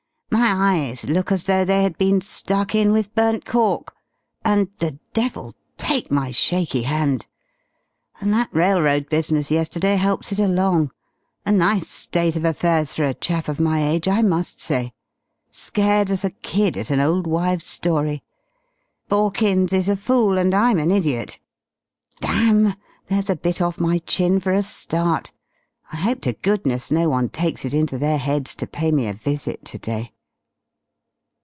"My eyes look as though they had been stuck in with burnt cork, and the devil take my shaky hand! And that railroad business yesterday helps it along. A nice state of affairs for a chap of my age, I must say! Scared as a kid at an old wives' story. Borkins is a fool, and I'm an idiot.... Damn! there's a bit off my chin for a start. I hope to goodness no one takes it into their heads to pay me a visit to day."